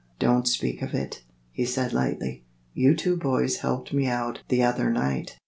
"Don't speak of it," he said lightly, "you two boys helped me out the other night.